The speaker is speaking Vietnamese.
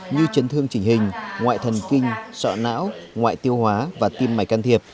như chấn thương trình hình ngoại thần kinh sọ não ngoại tiêu hóa và tiêm mạch can thiệp